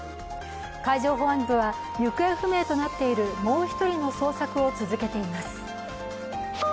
海上保安部は行方不明となっているもう一人の捜索を続けています。